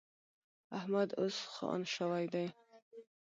احمد اوس خان شوی دی.